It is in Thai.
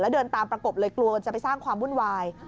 เดินตามประกบเลยกลัวจะไปสร้างความวุ่นวาย